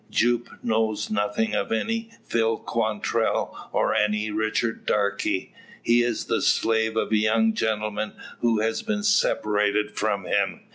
Jupe knows nothing of any Phil Quantrell, or any Richard Darke. He is the slave of the young gentleman who has been separated from him.